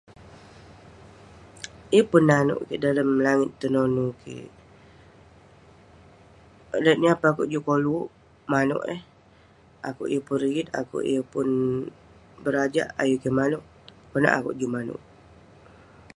Yeng nanouk kik dalem langit tenonu kik. Owk, nia- niah peh akouk juk koluk manouk eh, akouk yeng pun rigit akouk yeng pun berajak ayuk kek manouk. Konak akouk juk manouk.